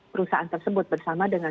perusahaan tersebut bersama dengan